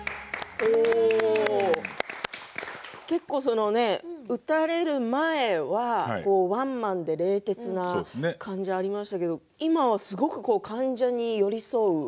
結構、撃たれる前はワンマンで冷徹な感じがありましたけど、今はすごく患者に寄り添う。